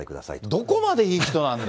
どこまでいい人なんだ。